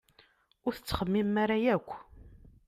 Ur tettxemmim ara akk!